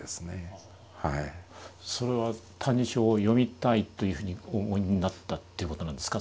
それは「歎異抄」を読みたいというふうにお思いになったということなんですか？